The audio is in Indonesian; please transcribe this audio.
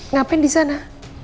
ngapain di sana